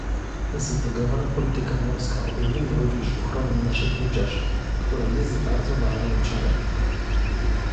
Zintegrowana polityka morska obejmuje również ochronę naszych wybrzeży, która jest bardzo ważnym obszarem